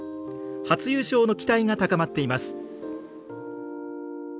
初優勝の期待が高まっています。